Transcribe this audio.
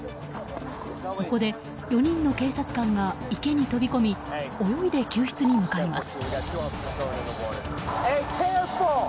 そこで４人警察官が池に飛び込み泳いで救出に向かいます。